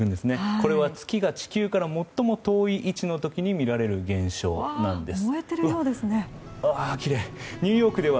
これは月が地球から最も遠い位置の時に見られる現象です。